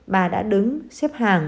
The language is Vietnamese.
bà đã đứng xếp hàng